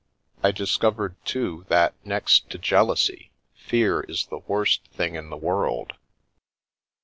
I discovered, too, that, next to jealousy, fear is the worst thing in the world.